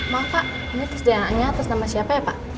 maaf pak ini terus dia nya atas nama siapa ya pak